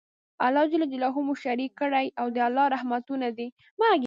الله ج مو شريک کړی او د الله رحمتونه دي